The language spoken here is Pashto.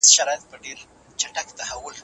د فشار چاپېریال او رواني عوامل ګډ اغېز لري.